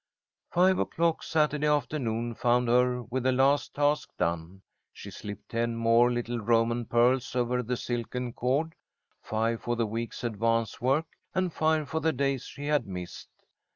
Five o'clock Saturday afternoon found her with the last task done. She slipped ten more little Roman pearls over the silken cord; five for the week's advance work, and five for the days she had missed.